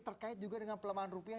terkait juga dengan pelemahan rupiah